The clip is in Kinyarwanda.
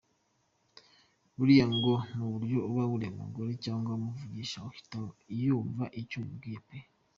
Buriya ngo nuburyo uba ureba umugore cyangwa umuvugisha ahita yumva icyo umubwiye peeeee !.